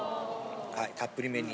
はいたっぷりめに。